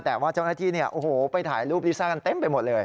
แต่ว่าเจ้าหน้าที่เนี่ยโอ้โหไปถ่ายรูปลิซ่ากันเต็มไปหมดเลย